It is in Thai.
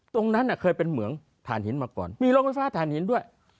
ตรงนั้นเคยเป็นเหมืองฐานหินมาก่อนมีโรงไฟฟ้าฐานหินด้วย